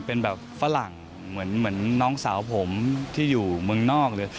เป็นแบบฝรั่งเหมือนน้องสาวผมที่อยู่เมืองนอกหรือ